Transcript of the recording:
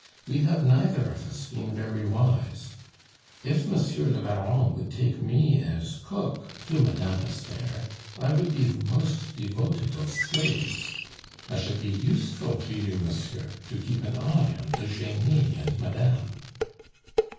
We have neither of us been very wise. If Monsieur le Baron would take me as cook to Madame Esther, I would be the most devoted of slaves. I should be useful to you, monsieur, to keep an eye on Eugenie and madame."